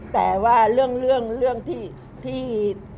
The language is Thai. แต่ว่าเรื่องเรื่องเรื่องที่